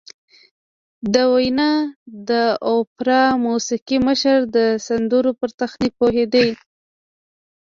د ویانا د اوپرا موسیقي مشر د سندرو پر تخنیک پوهېده